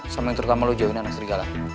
sama yang terdekat sama lo jauhin anak serigala